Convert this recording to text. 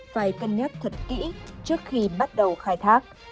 phải cân nhắc thật kỹ trước khi bắt đầu khai thác